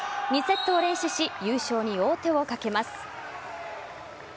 ２セットを連取し優勝に王手をかけます。